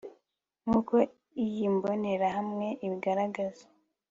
nk uko iyi mbonerahamwe ibigaragaza